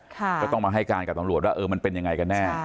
ก็ต้องมาให้การกับตำรวจว่ามันเป็นยังไงกันแน่